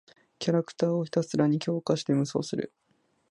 キャラクターをひたすらに強化して無双する。